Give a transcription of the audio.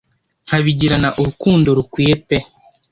nkabigirana urukundo rukwiye pe